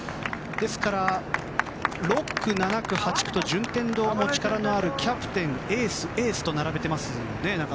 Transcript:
ですから、６区、７区、８区と順天堂も力のあるキャプテンエース、エースと並べてます。